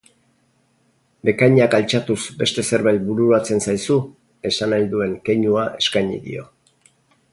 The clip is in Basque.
Bekainak altxatuz beste zerbait bururatzen zaizu? Esan nahi duen keinua eskaini dio.